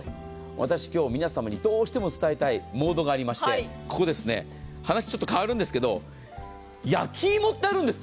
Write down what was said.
私、今日、皆様にどうしても伝えたいモードがありまして話変わるんですが焼きいもってあるんです。